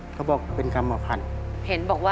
เขาบอกเป็นกรรมพันธ์